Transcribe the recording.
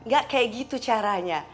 gak kayak gitu caranya